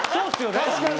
確かに！